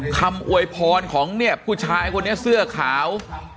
คำอวยพรของผู้ชายคนนี้เสื้อขาว